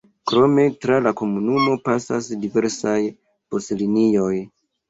Krome tra la komunumo pasas diversaj buslinioj.